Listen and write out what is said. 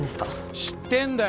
知ってんだよ